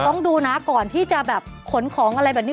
ต้องดูนะก่อนที่จะแบบขนของอะไรแบบนี้